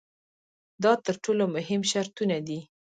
دا تر ټولو مهم شرطونه دي.